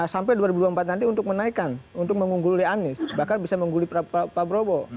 sampai dua ribu dua puluh empat nanti untuk menaikkan untuk mengungguli anies bahkan bisa mengungguli pak prabowo